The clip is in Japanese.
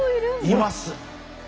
います。